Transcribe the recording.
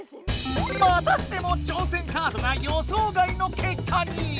またしても挑戦カードが予想外のけっかに。